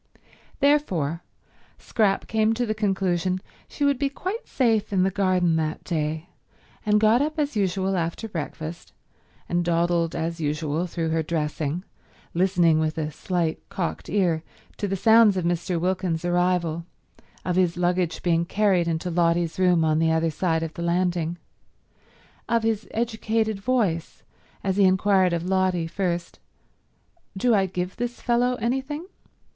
Therefore Scrap came to the conclusion she would be quite safe in the garden that day, and got up as usual after breakfast, and dawdled as usual through her dressing, listening with a slight cocked ear to the sounds of Mr. Wilkins's arrival, of his luggage being carried into Lotty's room on the other side of the landing, of his educated voice as he inquired of Lotty, first, "Do I give this fellow anything?"